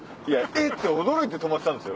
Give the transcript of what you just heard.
「えっ！」て驚いて止まってたんですよ。